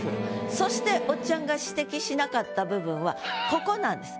そしておっちゃんが指摘しなかった部分はここなんです。